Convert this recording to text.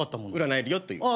占えるよという。